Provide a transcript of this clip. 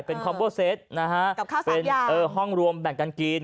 เป็นคอมโบ้เซตนะฮะกับข้าวสามอย่างเออห้องรวมแบ่งกันกิน